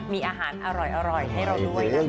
มีอาหารอร่อยให้เราด้วยนะคะ